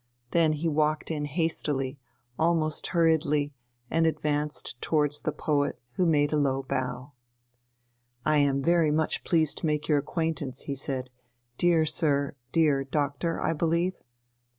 Then he walked in hastily, almost hurriedly, and advanced towards the poet, who made a low bow. "I am very much pleased to make your acquaintance," he said, "dear sir ... dear Doctor, I believe?"